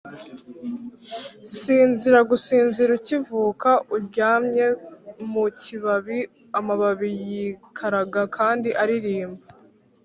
sinzira gusinzira ukivuka uryamye mu kibabi-amababi yikaraga kandi aririmba